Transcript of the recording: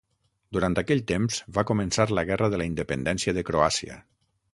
Durant aquell temps va començar la guerra de la independència de Croàcia.